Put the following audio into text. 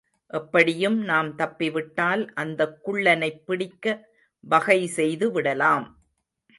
எப்படியும் நாம் தப்பிவிட்டால் அந்தக் குள்ளனைப் பிடிக்க வகை செய்துவிடலாம்.